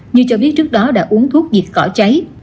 như cho biết trước đó đã uống thuốc diệt cỏ cháy